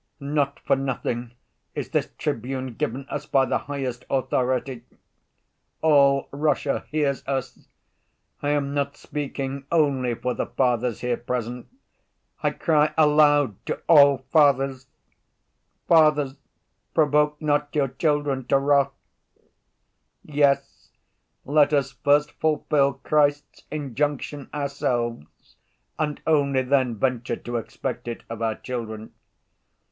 Not for nothing is this tribune given us by the highest authority—all Russia hears us! I am not speaking only for the fathers here present, I cry aloud to all fathers: 'Fathers, provoke not your children to wrath.' Yes, let us first fulfill Christ's injunction ourselves and only then venture to expect it of our children.